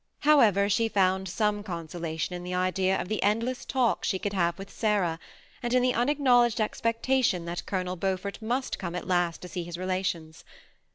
However, she found some consolation in the idea of the endless talks she could have with Sarah, and in the unacknowledged expectation that Colonel 234 THB SEMI ATTACHED CX>nPIiB. Beaufort must oome at last to see his relations.